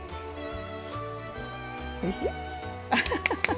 おいしい？